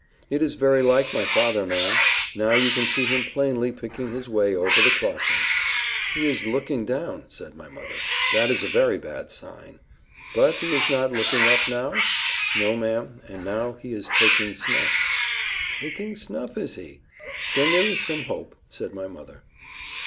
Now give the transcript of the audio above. "It is very like my father, ma'am. Now you can see him plainly picking his way over the crossing." "He is looking down," said my mother; "that is a very bad sign. But is he not looking up now?" "No, ma'am; and now he is taking snuff." "Taking snuff! is he? Then there is some hope," said my mother.